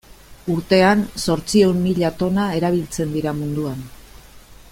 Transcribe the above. Urtean zortziehun mila tona erabiltzen dira munduan.